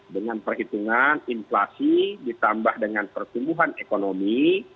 dengan perhitungan inflasi ditambah dengan pertumbuhan ekonomi